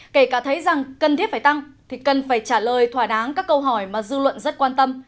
kể cả thấy rằng cần thiết phải tăng thì cần phải trả lời thỏa đáng các câu hỏi mà dư luận rất quan tâm